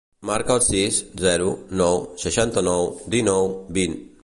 Marca el sis, zero, nou, seixanta-nou, dinou, vint.